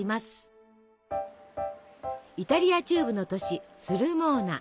イタリア中部の都市スルモーナ。